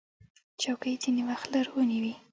چوکۍ ځینې وخت لرغونې وي.